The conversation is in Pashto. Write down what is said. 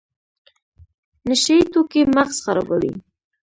نشه یي توکي مغز خرابوي